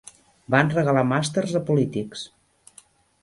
Van regalar màsters a polítics